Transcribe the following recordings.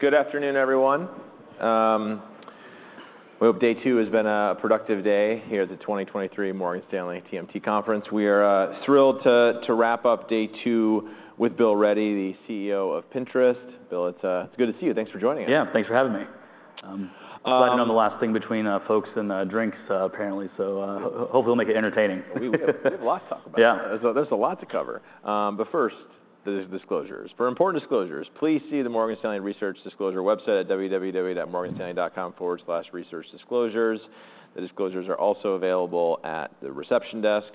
Good afternoon, everyone. We hope day two has been a productive day here at the 2023 Morgan Stanley TMT Conference. We are thrilled to wrap up day two with Bill Ready, the CEO of Pinterest. Bill, it's good to see you. Thanks for joining us. Yeah, thanks for having me. Gliding on the last thing between folks and drinks, apparently, so, hopefully we'll make it entertaining. We have a lot to talk about. Yeah. There's a lot to cover. First, the disclosures. For important disclosures, please see the Morgan Stanley Research Disclosure website at www.morganstanley.com/researchdisclosures. The disclosures are also available at the reception desk.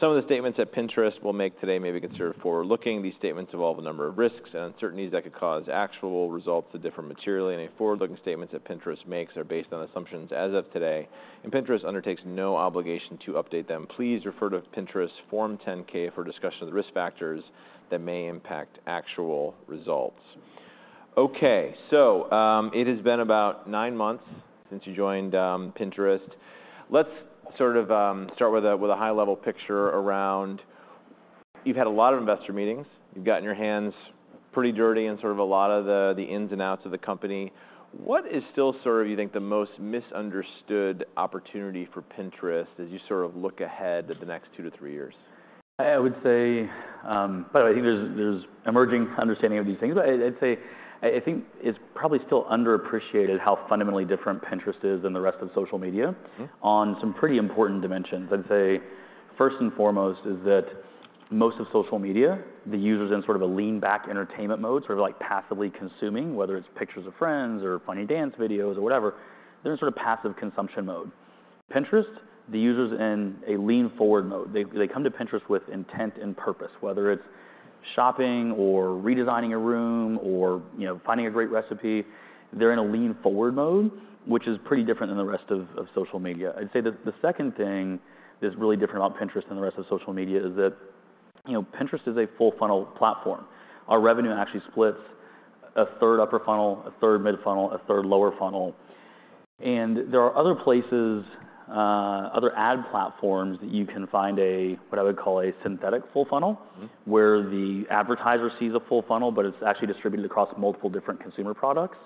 Some of the statements that Pinterest will make today may be considered forward-looking. These statements involve a number of risks and uncertainties that could cause actual results to differ materially, and any forward-looking statements that Pinterest makes are based on assumptions as of today, and Pinterest undertakes no obligation to update them. Please refer to Pinterest's Form 10-K for a discussion of the Risk Factors that may impact actual results. Okay. It has been about nine months since you joined Pinterest. Let's sort of, start with a, with a high-level picture around you've had a lot of investor meetings, you've gotten your hands pretty dirty in sort of a lot of the ins and outs of the company. What is still sort of you think the most misunderstood opportunity for Pinterest as you sort of look ahead at the next two to three years? I would say, by the way, I think there's emerging understanding of these things, but I'd say I think it's probably still underappreciated how fundamentally different Pinterest is than the rest of social media. Mm-hmm On some pretty important dimensions. I'd say first and foremost is that most of social media, the user's in sort of a lean back entertainment mode, sort of like passively consuming, whether it's pictures of friends or funny dance videos or whatever. They're in a sort of passive consumption mode. Pinterest, the user's in a lean forward mode. They come to Pinterest with intent and purpose, whether it's shopping or redesigning a room or, you know, finding a great recipe, they're in a lean forward mode, which is pretty different than the rest of social media. I'd say the second thing that's really different about Pinterest than the rest of social media is that, you know, Pinterest is a full funnel platform. Our revenue actually splits a third upper funnel, a third mid funnel, a third lower funnel. There are other places, other ad platforms that you can find a, what I would call a synthetic full funnel. Mm-hmm Where the advertiser sees a full funnel, but it's actually distributed across multiple different consumer products.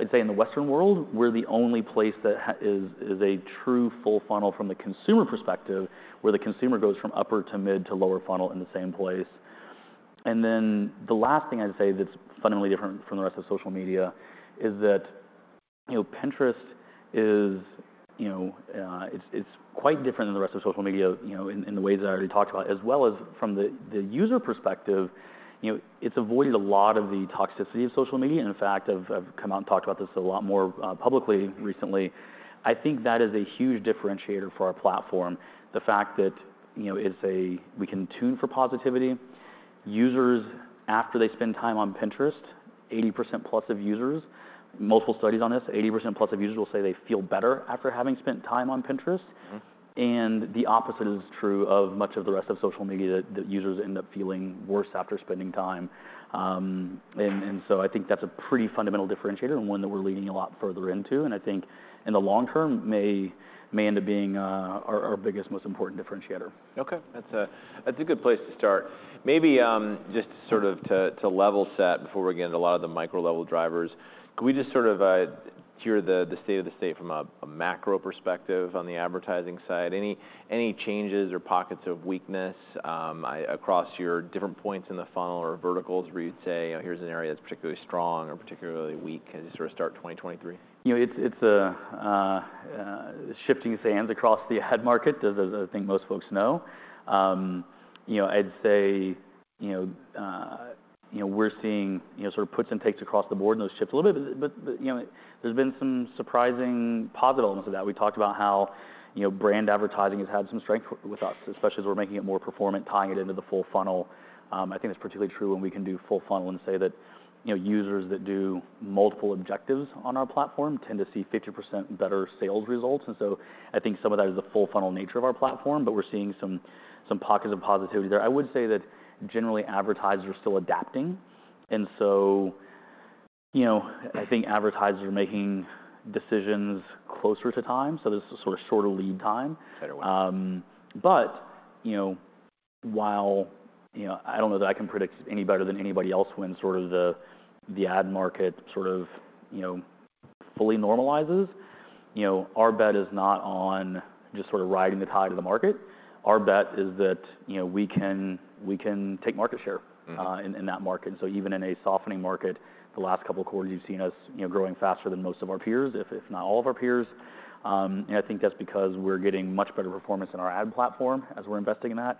I'd say in the Western world, we're the only place that is a true full funnel from the consumer perspective, where the consumer goes from upper to mid to lower funnel in the same place. The last thing I'd say that's fundamentally different from the rest of social media is that, you know, Pinterest is, you know, it's quite different than the rest of social media, you know, in the ways that I already talked about, as well as from the user perspective. You know, it's avoided a lot of the toxicity of social media, and in fact, I've come out and talked about this a lot more publicly recently. I think that is a huge differentiator for our platform. The fact that, you know, we can tune for positivity. Users, after they spend time on Pinterest, 80%+ of users, multiple studies on this, 80%+ of users will say they feel better after having spent time on Pinterest. Mm-hmm. The opposite is true of much of the rest of social media that users end up feeling worse after spending time. So I think that's a pretty fundamental differentiator and one that we're leaning a lot further into, and I think in the long term may end up being, our biggest, most important differentiator. Okay. That's, that's a good place to start. Maybe, just sort of to level set before we get into a lot of the micro level drivers, can we just sort of, hear the state of the state from a macro perspective on the advertising side? Any changes or pockets of weakness across your different points in the funnel or verticals where you'd say, you know, here's an area that's particularly strong or particularly weak as you sort of start 2023? You know, it's, a shifting sands across the ad market as I think most folks know. You know, I'd say, you know, we're seeing, you know, sort of puts and takes across the board and those shift a little bit, but, you know, there's been some surprising positive elements of that. We talked about how, you know, brand advertising has had some strength with us, especially as we're making it more performant, tying it into the full funnel. I think that's particularly true when we can do full funnel and say that, you know, users that do multiple objectives on our platform tend to see 50% better sales results. I think some of that is the full funnel nature of our platform, but we're seeing some pockets of positivity there. I would say that generally advertisers are still adapting, you know, I think advertisers are making decisions closer to time, so there's a sort of shorter lead time. Better way. You know, while, you know, I don't know that I can predict any better than anybody else when sort of the ad market sort of, you know, fully normalizes, you know, our bet is not on just sort of riding the tide of the market. Our bet is that, you know, we can take market share. Mm. In that market. Even in a softening market, the last couple of quarters, you've seen us, you know, growing faster than most of our peers, if not all of our peers. I think that's because we're getting much better performance in our ad platform as we're investing in that.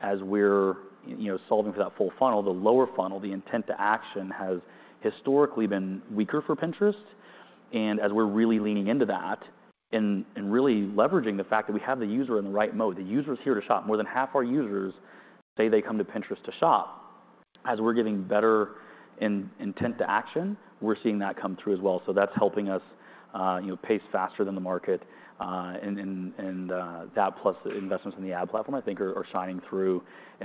As we're, you know, solving for that full funnel, the lower funnel, the intent to action has historically been weaker for Pinterest, and as we're really leaning into that and really leveraging the fact that we have the user in the right mode, the user's here to shop. More than half our users say they come to Pinterest to shop. As we're getting better in intent to action, we're seeing that come through as well. That's helping us, you know, pace faster than the market. That plus the investments in the ad platform I think are shining through. you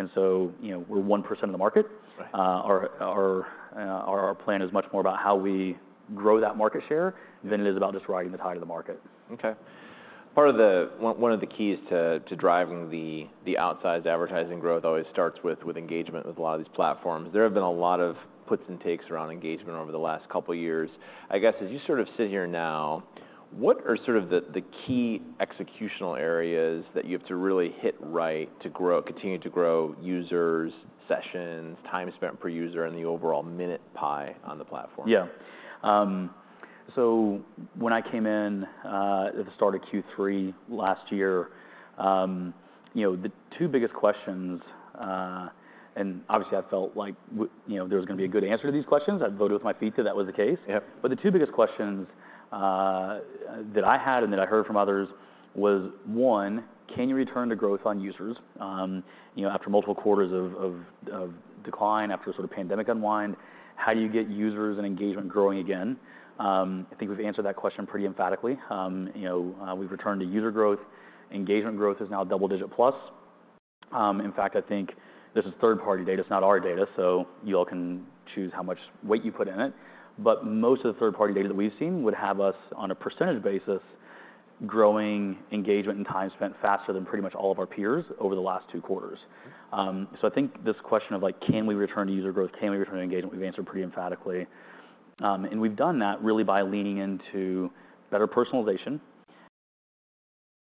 know, we're 1% of the market. Right. Our plan is much more about how we grow that market share than it is about just riding the tide of the market. Part of the one of the keys to driving the outsized advertising growth always starts with engagement with a lot of these platforms. There have been a lot of puts and takes around engagement over the last couple years. I guess as you sort of sit here now, what are sort of the key executional areas that you have to really hit right to grow, continue to grow users, sessions, time spent per user, and the overall minute pie on the platform? Yeah. When I came in, at the start of Q3 last year, you know, the two biggest questions, and obviously I felt like you know, there was gonna be a good answer to these questions. I'd voted with my feet that that was the case. Yeah. The two biggest questions that I had and that I heard from others was, one, can you return to growth on users? You know, after multiple quarters of decline, after the sort of pandemic unwind. How do you get users and engagement growing again? I think we've answered that question pretty emphatically. You know, we've returned to user growth. Engagement growth is now double-digit plus. In fact, I think this is third-party data, it's not our data, so you all can choose how much weight you put in it, but most of the third-party data that we've seen would have us on a percentage basis growing engagement and time spent faster than pretty much all of our peers over the last two quarters. I think this question of like, can we return to user growth, can we return to engagement, we've answered pretty emphatically. We've done that really by leaning into better personalization,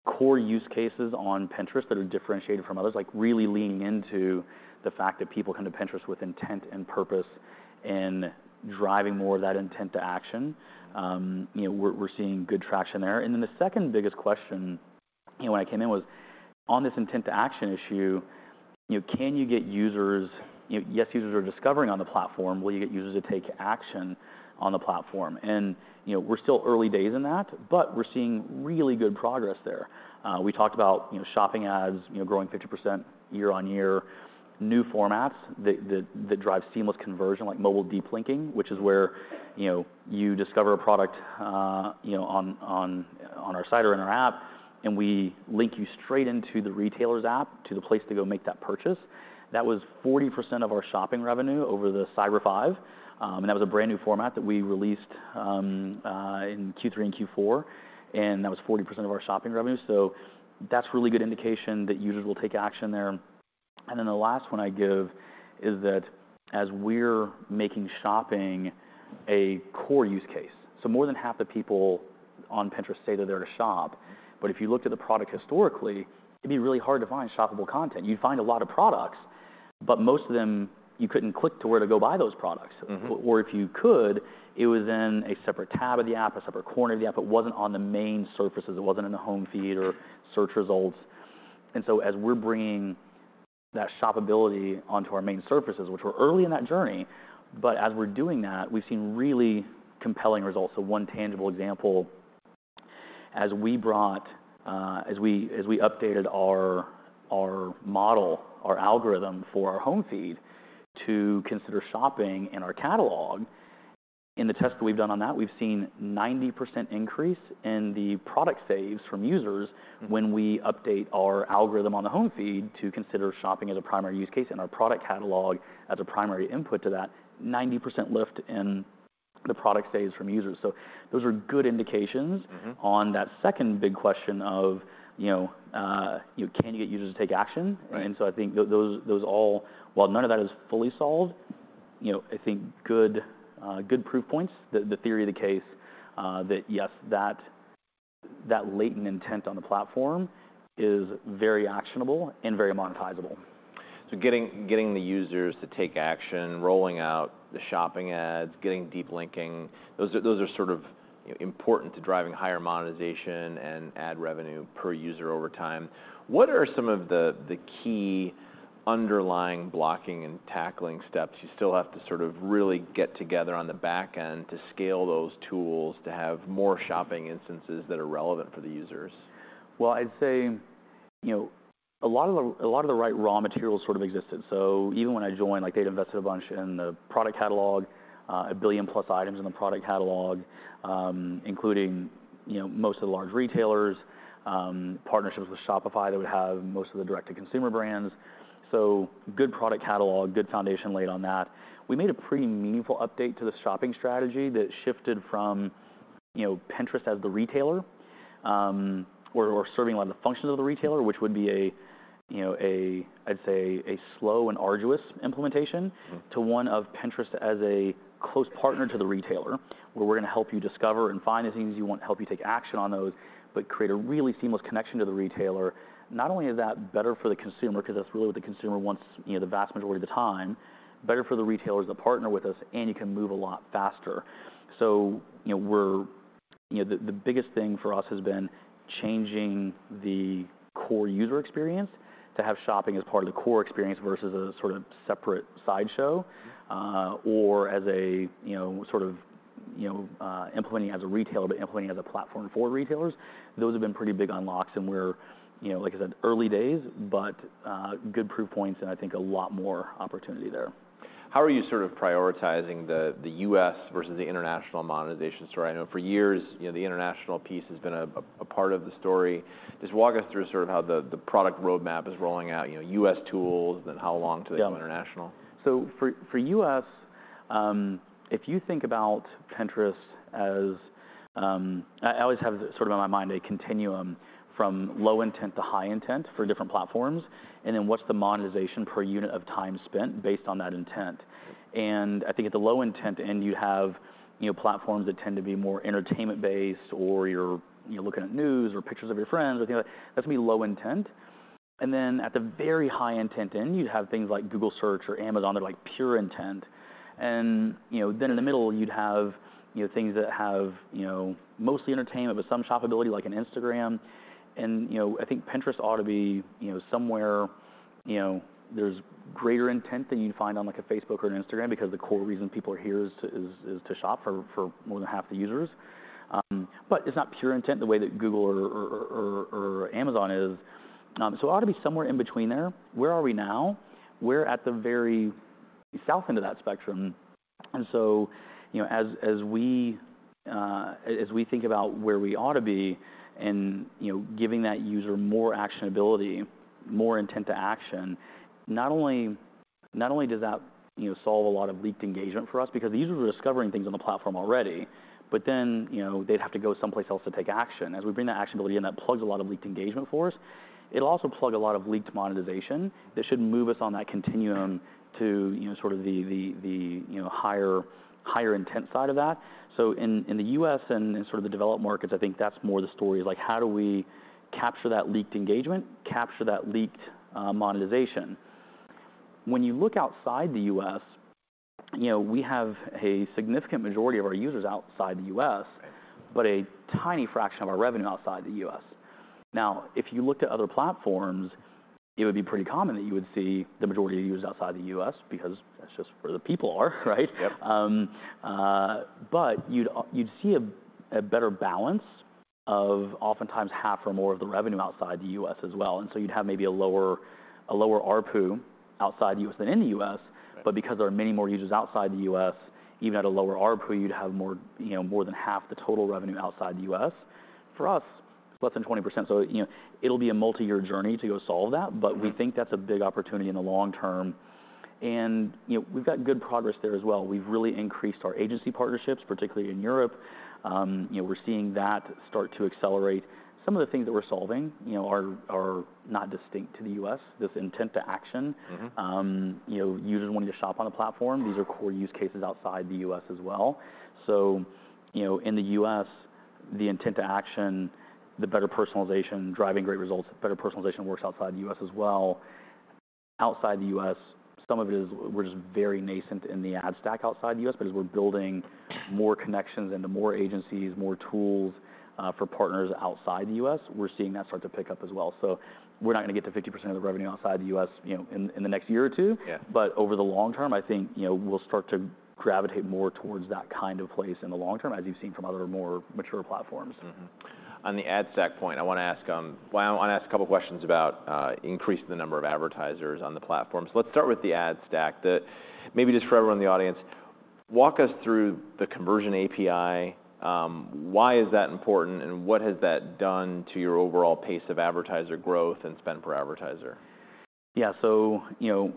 core use cases on Pinterest that are differentiated from others, like really leaning into the fact that people come to Pinterest with intent and purpose and driving more of that intent to action. You know, we're seeing good traction there. Then the second biggest question, you know, when I came in was on this intent to action issue, you know, yes, users are discovering on the platform, will you get users to take action on the platform? You know, we're still early days in that, but we're seeing really good progress there. We talked about, you know, shopping ads, you know, growing 50% year-over-year. New formats that drive seamless conversion like mobile deep linking. Mm-hmm Which is where, you know, you discover a product, you know, on, on our site or in our app, and we link you straight into the retailer's app to the place to go make that purchase. That was 40% of our shopping revenue over the Cyber-Five. That was a brand-new format that we released in Q3 and Q4, and that was 40% of our shopping revenue. That's really good indication that users will take action there. The last one I give is that as we're making shopping a core use case, so more than half the people on Pinterest say that they're there to shop, but if you looked at the product historically, it'd be really hard to find shoppable content. You'd find a lot of products, but most of them you couldn't click to where to go buy those products. Mm-hmm. If you could, it was in a separate tab of the app, a separate corner of the app. It wasn't on the main surfaces. It wasn't in the home feed or search results. As we're bringing that shoppability onto our main surfaces, which we're early in that journey, but as we're doing that, we've seen really compelling results. One tangible example, as we updated our model, our algorithm for our home feed to consider shopping in our catalog, in the tests that we've done on that, we've seen 90% increase in the product saves from users- Mm When we update our algorithm on the home feed to consider shopping as a primary use case and our product catalog as a primary input to that, 90% lift in the product saves from users. Those are good indications. Mm-hmm On that second big question of, you know, you know, can you get users to take action? Right. I think those all, while none of that is fully solved, you know, I think good proof points. The, the theory of the case, that yes, that latent intent on the platform is very actionable and very monetizable. Getting the users to take action, rolling out the shopping ads, getting deep linking, those are sort of, you know, important to driving higher monetization and ad revenue per user over time. What are some of the key underlying blocking and tackling steps you still have to sort of really get together on the back-end to scale those tools to have more shopping instances that are relevant for the users? Well, I'd say, you know, a lot of the right raw materials sort of existed. Even when I joined, like they'd invested a bunch in the product catalog, 1 billion+ items in the product catalog, including, you know, most of the large retailers, partnerships with Shopify that would have most of the direct-to-consumer brands. Good product catalog, good foundation laid on that. We made a pretty meaningful update to the shopping strategy that shifted from, you know, Pinterest as the retailer, where we're serving a lot of the functions of the retailer, which would be a, you know, I'd say a slow and arduous implementation- Mm To one of Pinterest as a close partner to the retailer, where we're gonna help you discover and find the things you want, help you take action on those, but create a really seamless connection to the retailer. Not only is that better for the consumer, 'cause that's really what the consumer wants, you know, the vast majority of the time, better for the retailer as they partner with us, and you can move a lot faster. You know, we're, you know. The biggest thing for us has been changing the core user experience to have shopping as part of the core experience versus a sort of separate sideshow, or as a, you know, sort of, you know, implementing as a retailer, but implementing as a platform for retailers. Those have been pretty big unlocks and we're, you know, like I said, early days, but good proof points and I think a lot more opportunity there. How are you sort of prioritizing the U.S. Versus the international monetization story? I know for years, you know, the international piece has been a part of the story. Just walk us through sort of how the product roadmap is rolling out, you know, U.S. tools, then how long till they come international. Yeah. For, for if you think about Pinterest as, I always have sort of in my mind a continuum from low intent to high intent for different platforms, then what's the monetization per unit of time spent based on that intent? I think at the low intent end you have, you know, platforms that tend to be more entertainment-based or you're, you know, looking at news or pictures of your friends. That's gonna be low intent. Then at the very high intent end, you'd have things like Google Search or Amazon that are, like, pure intent. You know, then in the middle you'd have, you know, things that have, you know, mostly entertainment but some shoppability, like an Instagram. You know, I think Pinterest ought to be, you know, somewhere, you know, there's greater intent than you'd find on like a Facebook or an Instagram because the core reason people are here is to shop for more than half the users. It's not pure intent the way that Google or Amazon is. It ought to be somewhere in between there. Where are we now? We're at the very south end of that spectrum. You know, as we think about where we ought to be and, you know, giving that user more actionability, more intent to action, not only does that, you know, solve a lot of leaked engagement for us, because the users are discovering things on the platform already, but then, you know, they'd have to go someplace else to take action. We bring that actionability in, that plugs a lot of leaked engagement for us. It'll also plug a lot of leaked monetization that should move us on that continuum to, you know, sort of the, you know, higher intent side of that. In, in the U.S. and in sort of the developed markets, I think that's more the story, like how do we capture that leaked engagement, capture that leaked monetization? When you look outside the U.S., you know, we have a significant majority of our users outside the U.S. Right A tiny fraction of our revenue outside the U.S. Now, if you looked at other platforms, it would be pretty common that you would see the majority of users outside the U.S. because that's just where the people are, right? Yep. You'd see a better balance of oftentimes half or more of the revenue outside the U.S. as well. You'd have maybe a lower ARPU outside the U.S. than in the U.S. Right. Because there are many more users outside the U.S., even at a lower ARPU, you'd have more, you know, more than half the total revenue outside the U.S. For us, it's less than 20%, so, you know, it'll be a multi-year journey to go solve that. Right. We think that's a big opportunity in the long-term. You know, we've got good progress there as well. We've really increased our agency partnerships, particularly in Europe. You know, we're seeing that start to accelerate. Some of the things that we're solving, you know, are not distinct to the U.S., this intent to action. Mm-hmm. You know, users wanting to shop on a platform, these are core use cases outside the U.S. as well. You know, in the U.S., the intent to action, the better personalization, driving great results, better personalization works outside the U.S. as well. Outside the U.S., some of it is we're just very nascent in the ad stack outside the U.S., but as we're building more connections into more agencies, more tools for partners outside the U.S., we're seeing that start to pick up as well. We're not gonna get to 50% of the revenue outside the U.S., you know, in the next year or two. Yeah. Over the long-term, I think, you know, we'll start to gravitate more towards that kind of place in the long term, as you've seen from other, more mature platforms. On the ad stack point, I wanna ask, well, I wanna ask a couple questions about increasing the number of advertisers on the platform. Let's start with the ad stack. Maybe just for everyone in the audience, walk us through the conversion API. Why is that important, and what has that done to your overall pace of advertiser growth and spend per advertiser? You know,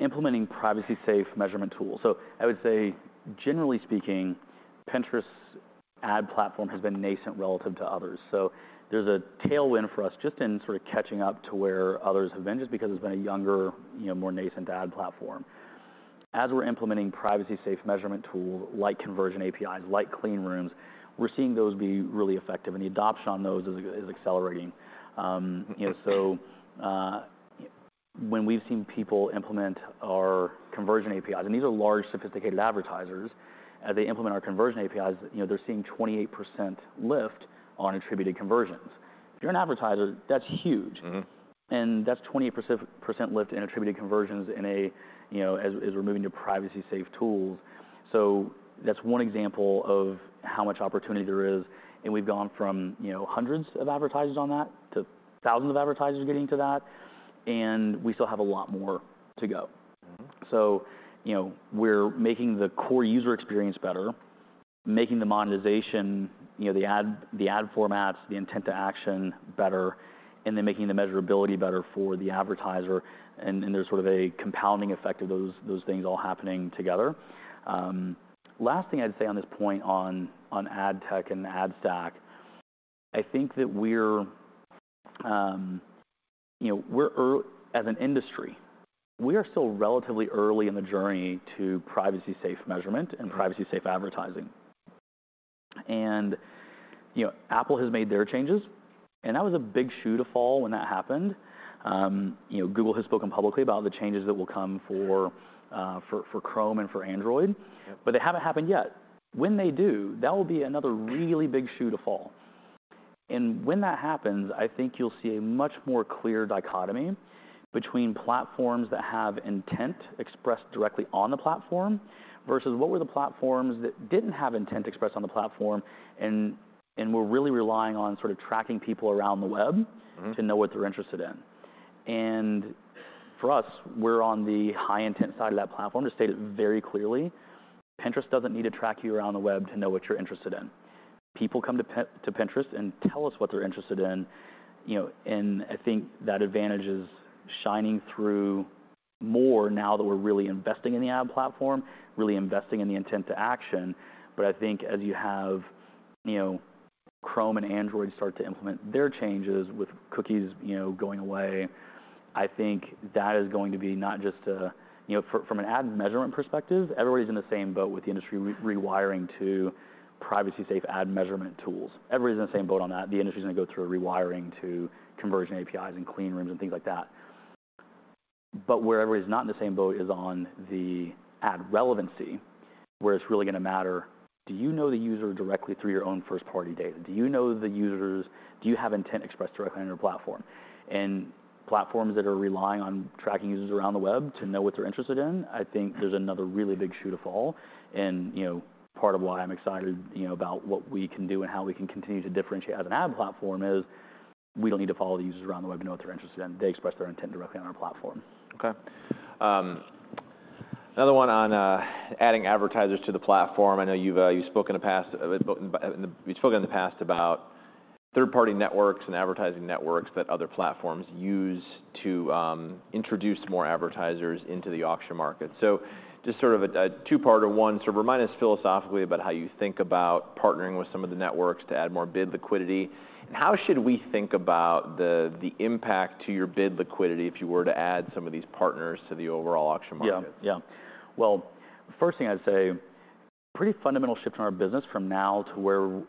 implementing privacy-safe measurement tools. I would say generally speaking, Pinterest ad platform has been nascent relative to others. There's a tailwind for us just in sort of catching up to where others have been, just because it's been a younger, you know, more nascent ad platform. As we're implementing privacy-safe measurement tools like conversion APIs, like clean rooms, we're seeing those be really effective. The adoption on those is accelerating. You know, when we've seen people implement our conversion APIs, and these are large, sophisticated advertisers, as they implement our conversion APIs, you know, they're seeing 28% lift on attributed conversions. If you're an advertiser, that's huge. Mm-hmm. That's 20% lift in attributed conversions, you know, as we're moving to privacy safe tools. That's one example of how much opportunity there is, and we've gone from, you know, hundreds of advertisers on that to thousands of advertisers getting to that, and we still have a lot more to go. Mm-hmm. You know, we're making the core user experience better, making the monetization, you know, the ad formats, the intent to action better, and then making the measurability better for the advertiser, and there's sort of a compounding effect of those things all happening together. Last thing I'd say on this point on ad tech and ad stack, I think that we're, you know, as an industry, we are still relatively early in the journey to privacy safe measurement and privacy safe advertising. you know, Apple has made their changes, and that was a big shoe to fall when that happened. you know, Google has spoken publicly about the changes that will come for Chrome and for Android. Yep. They haven't happened yet. When they do, that will be another really big shoe to fall. When that happens, I think you'll see a much more clear dichotomy between platforms that have intent expressed directly on the platform versus what were the platforms that didn't have intent expressed on the platform and were really relying on sort of tracking people around the web. Mm-hmm to know what they're interested in. For us, we're on the high intent side of that platform. To state it very clearly, Pinterest doesn't need to track you around the web to know what you're interested in. People come to Pinterest and tell us what they're interested in, you know, I think that advantage is shining through more now that we're really investing in the ad platform, really investing in the intent to action. I think as you have, you know, Chrome and Android start to implement their changes with cookies, you know, going away, I think that is going to be not just from an ad measurement perspective, everybody's in the same boat with the industry rewiring to privacy-safe ad measurement tools. Everybody's in the same boat on that. The industry is gonna go through a rewiring to conversion APIs and clean rooms and things like that. Where everybody's not in the same boat is on the ad relevancy, where it's really gonna matter, do you know the user directly through your own first-party data? Do you know the users? Do you have intent expressed directly on your platform? Platforms that are relying on tracking users around the web to know what they're interested in, I think there's another really big shoe to fall., you know, part of why I'm excited, you know, about what we can do and how we can continue to differentiate as an ad platform is we don't need to follow the users around the web to know what they're interested in. They express their intent directly on our platform. Okay. Another one on adding advertisers to the platform. I know you've spoken in the past about third-party networks and advertising networks that other platforms use to introduce more advertisers into the auction market. Just sort of a two-parter. One, sort of remind us philosophically about how you think about partnering with some of the networks to add more bid liquidity. How should we think about the impact to your bid liquidity if you were to add some of these partners to the overall auction market? Yeah. Yeah. Well, first thing I'd say, pretty fundamental shift in our business From where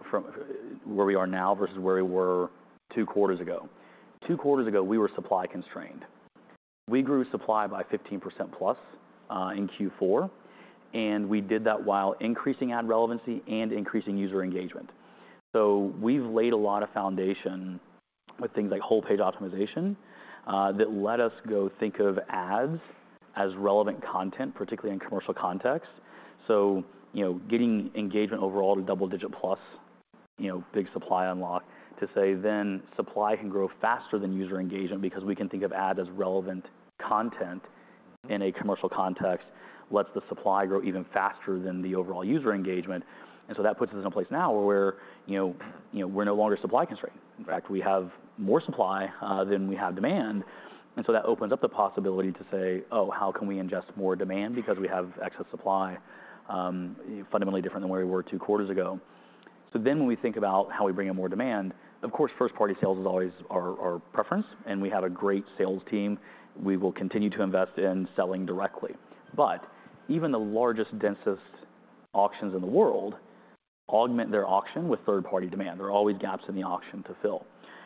we are now versus where we were two quarters ago. Two quarters ago, we were supply constrained. We grew supply by 15%+ in Q4, and we did that while increasing ad relevancy and increasing user engagement. We've laid a lot of foundation with things like whole page optimization that let us go think of ads as relevant content, particularly in commercial context. You know, getting engagement overall to double-digit plus, you know, big supply unlock to say then supply can grow faster than user engagement because we can think of ad as relevant content in a commercial context, lets the supply grow even faster than the overall user engagement. That puts us in a place now where we're, you know, you know, we're no longer supply constrained. In fact, we have more supply than we have demand, that opens up the possibility to say, Oh, how can we ingest more demand because we have excess supply? Fundamentally different than where we were two quarters ago. When we think about how we bring in more demand, of course, first-party sales is always our preference, and we have a great sales team. We will continue to invest in selling directly. Even the largest, densest auctions in the world augment their auction with third-party demand. There are always gaps in the auction to fill.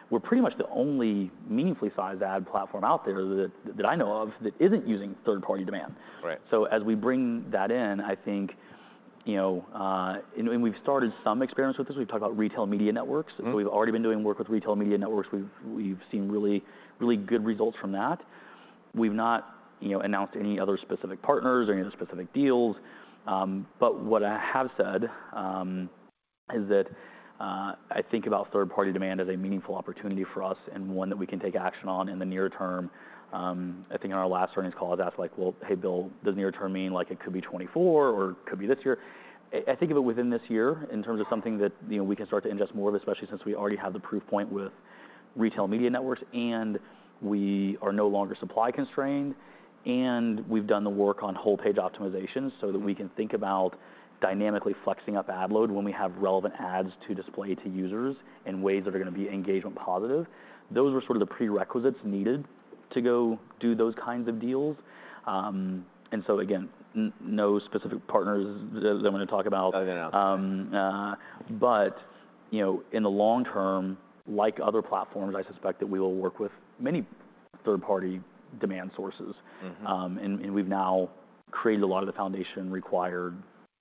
We're pretty much the only meaningfully sized ad platform out there that I know of that isn't using third-party demand. Right. As we bring that in, I think, you know, and we've started some experiments with this. We've talked about retail media networks. Mm-hmm. We've already been doing work with retail media networks. We've seen really good results from that. We've not, you know, announced any other specific partners or any other specific deals. What I have said is that I think about third-party demand as a meaningful opportunity for us and one that we can take action on in the near-term. I think in our last earnings call, I was asked like, Well, hey, Bill, does near term mean like it could be 2024 or could be this year? I think of it within this year in terms of something that, you know, we can start to ingest more of, especially since we already have the proof point with retail media networks, and we are no longer supply constrained, and we've done the work on whole page optimization so that we can think about dynamically flexing up ad load when we have relevant ads to display to users in ways that are gonna be engagement positive. Those were sort of the prerequisites needed to go do those kinds of deals. Again, no specific partners that I'm gonna talk about. Oh, yeah. You know, in the long-term, like other platforms, I suspect that we will work with many third-party demand sources. Mm-hmm. We've now created a lot of the foundation required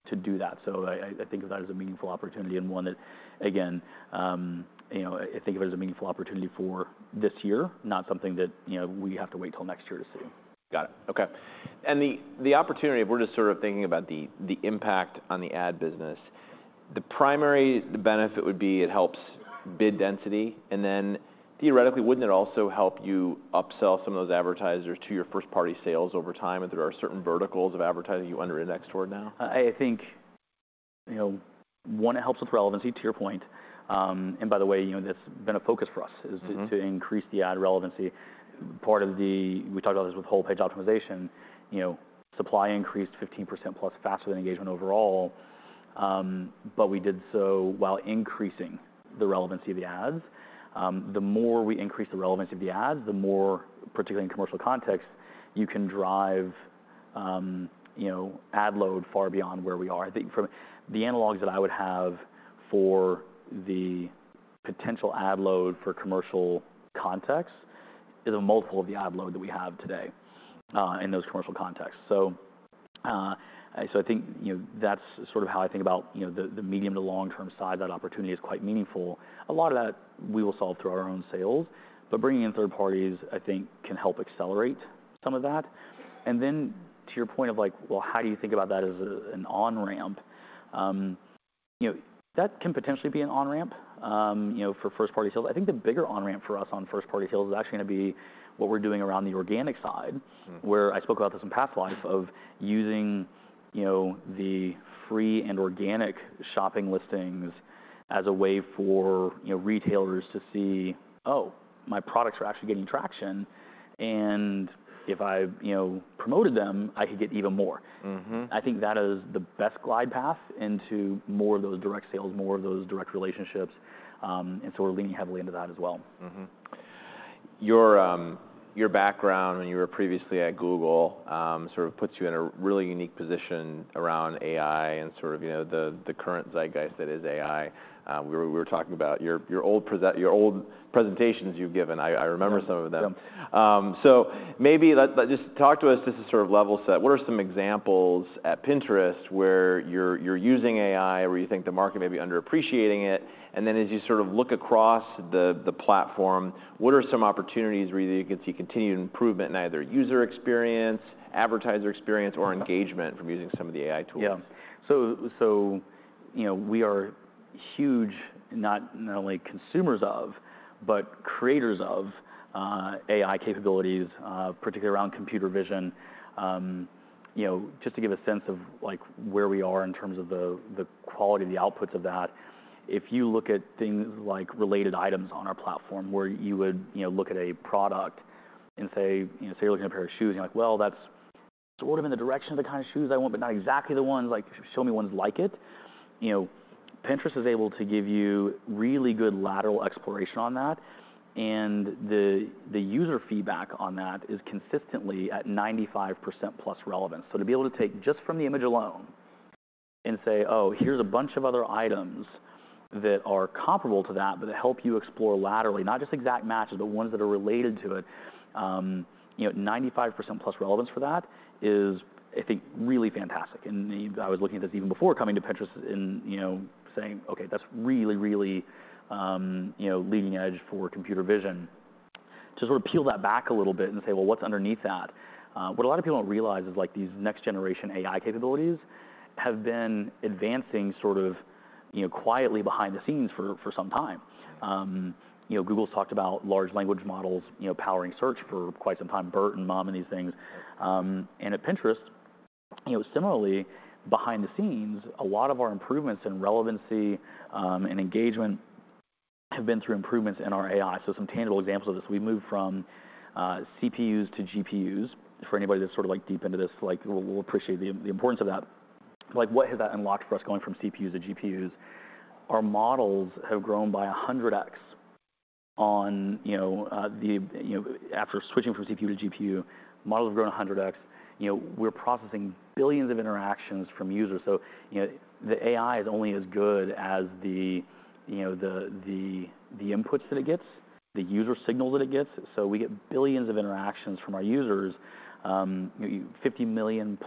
to do that. I think of that as a meaningful opportunity and one that again, you know, I think of it as a meaningful opportunity for this year, not something that, you know, we have to wait till next year to see. Got it. Okay. The opportunity, if we're just sort of thinking about the impact on the ad business, the primary benefit would be it helps bid density, and then theoretically, wouldn't it also help you upsell some of those advertisers to your first-party sales over time, and there are certain verticals of advertising you under-index toward now? I think, you know, one, it helps with relevancy, to your point. By the way, you know, that's been a focus for us. Mm-hmm is to increase the ad relevancy. Part of the. We talked about this with whole page optimization. You know, supply increased 15% plus faster than engagement overall, but we did so while increasing the relevancy of the ads. The more we increase the relevancy of the ads, the more, particularly in commercial context, you can drive, you know, ad load far beyond where we are. I think from the analogs that I would have for the potential ad load for commercial context is a multiple of the ad load that we have today in those commercial contexts. I think, you know, that's sort of how I think about, you know, the medium to long-term side, that opportunity is quite meaningful. A lot of that we will solve through our own sales, but bringing in third parties I think can help accelerate some of that. To your point of like, well, how do you think about that as a, an on-ramp? You know, that can potentially be an on-ramp, you know, for first-party sales. I think the bigger on-ramp for us on first-party sales is actually gonna be what we're doing around the organic side. Mm-hmm Where I spoke about this in past lives of using, you know, the free and organic shopping listings as a way for, you know, retailers to see, oh, my products are actually getting traction, and if I, you know, promoted them, I could get even more. Mm-hmm. I think that is the best glide path into more of those direct sales, more of those direct relationships, and so we're leaning heavily into that as well. Your, your background when you were previously at Google, sort of puts you in a really unique position around AI and sort of, you know, the current zeitgeist that is AI. We were talking about your old presentations you've given. Yeah. Yeah. I remember some of them. Maybe just talk to us just to sort of level set, what are some examples at Pinterest where you're using AI, where you think the market may be underappreciating it, and then as you sort of look across the platform, what are some opportunities where you can see continued improvement in either user experience, advertiser experience, or engagement from using some of the AI tools? Yeah. you know, we are huge not only consumers of, but creators of, AI capabilities, particularly around computer vision. you know, just to give a sense of, like, where we are in terms of the quality of the outputs of that, if you look at things like related items on our platform where you would, you know, look at a product and say, you know, say you're looking at a pair of shoes, and you're like, Well, that's sort of in the direction of the kind of shoes I want, but not exactly the ones. Like, show me ones like it, you know, Pinterest is able to give you really good lateral exploration on that, and the user feedback on that is consistently at 95%+ relevance. To be able to take just from the image alone and say, Oh, here's a bunch of other items that are comparable to that, but that help you explore laterally, not just exact matches, but ones that are related to it, you know, 95%+ relevance for that is, I think, really fantastic. I was looking at this even before coming to Pinterest and, you know, saying, Okay, that's really, really, you know, leading edge for computer vision. To sort of peel that back a little bit and say, well, what's underneath that, what a lot of people don't realize is, like, these next generation AI capabilities have been advancing sort of, you know, quietly behind the scenes for some time. You know, Google's talked about large language models, you know, powering search for quite some time, and these things. At Pinterest, you know, similarly, behind the scenes, a lot of our improvements in relevancy and engagement have been through improvements in our AI. Some tangible examples of this, we moved from CPUs to GPUs. For anybody that's sort of, like, deep into this, like, will appreciate the importance of that. Like, what has that unlocked for us going from CPUs to GPUs? Our models have grown by 100x. After switching from CPU to GPU, models have grown 100x. You know, we're processing billions of interactions from users, so, you know, the AI is only as good as the, you know, the inputs that it gets, the user signal that it gets. We get billions of interactions from our users, maybe 50 million+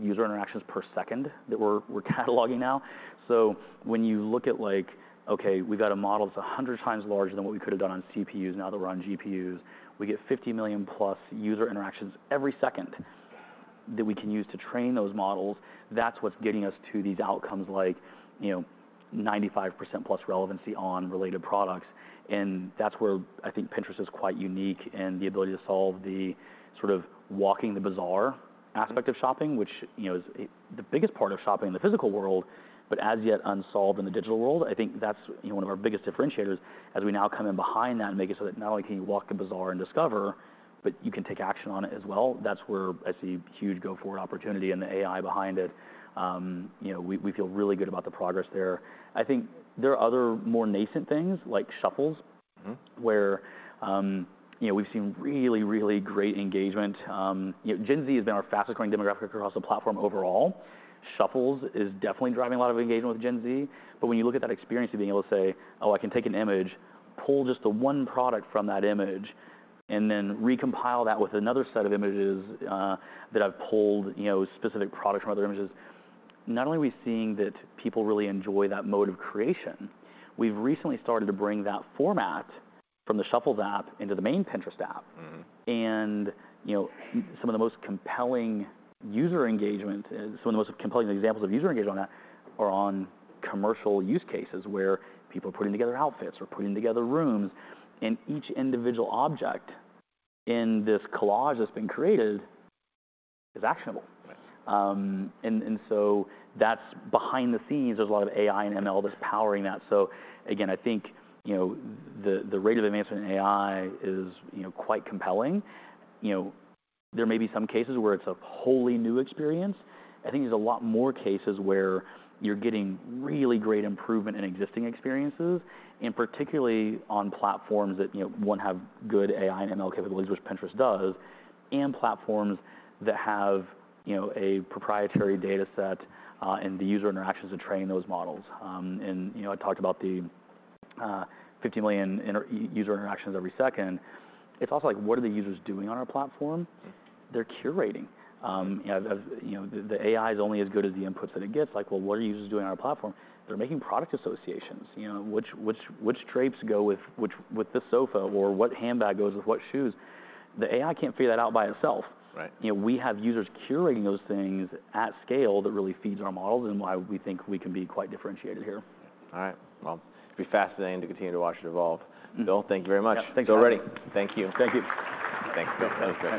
user interactions per second that we're cataloging now. When you look at, like, okay, we've got a model that's 100 times larger than what we could've done on CPUs now that we're on GPUs. We get 50 million+ user interactions every second that we can use to train those models. That's what's getting us to these outcomes like, you know, 95%+ relevancy on related products, and that's where, I think Pinterest is quite unique in the ability to solve the sort of walking the bazaar aspect of shopping, which, you know, is the biggest part of shopping in the physical world, but as yet unsolved in the digital world. I think that's, you know, one of our biggest differentiators as we now come in behind that and make it so that not only can you walk the bazaar and discover, but you can take action on it as well. That's where I see huge go-forward opportunity in the AI behind it. You know, we feel really good about the progress there. I think there are other more nascent things, like Shuffles. Mm-hmm Where, you know, we've seen really, really great engagement. You know, Gen Z has been our fastest growing demographic across the platform overall. Shuffles is definitely driving a lot of engagement with Gen Z, but when you look at that experience of being able to say, oh, I can take an image, pull just the one product from that image, and then recompile that with another set of images, that I've pulled, you know, specific products from other images, not only are we seeing that people really enjoy that mode of creation, we've recently started to bring that format from the Shuffles app into the main Pinterest app. Mm-hmm. You know, some of the most compelling user engagement is. Some of the most compelling examples of user engagement on that are on commercial use cases where people are putting together outfits or putting together rooms, and each individual object in this collage that's been created is actionable. Right. That's behind the scenes. There's a lot of AI and ML that's powering that. Again, I think, you know, the rate of advancement in AI is, you know, quite compelling. You know, there may be some cases where it's a wholly new experience. I think there's a lot more cases where you're getting really great improvement in existing experiences, and particularly on platforms that, you know, one, have good AI and ML capabilities, which Pinterest does, and platforms that have, you know, a proprietary data set, and the user interactions to train those models. I talked about the 50 million user interactions every second. It's also, like, what are the users doing on our platform? Yeah. They're curating. You know, you know, the AI is only as good as the inputs that it gets. Like, well, what are users doing on our platform? They're making product associations. You know, which drapes go with this sofa, or what handbag goes with what shoes. The AI can't figure that out by itself. Right. You know, we have users curating those things at scale that really feeds our models and why we think we can be quite differentiated here. All right. Well, it'll be fascinating to continue to watch it evolve. Mm-hmm. Bill, thank you very much. Yeah. Thanks, Brian. already. Thank you. Thank you. Thanks. That was great.